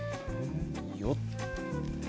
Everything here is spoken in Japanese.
よっ。